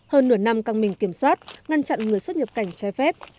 hơn nửa năm căng mình kiểm soát ngăn chặn người xuất nhập cảnh trái phép